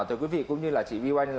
thưa quý vị cũng như là chị viu anh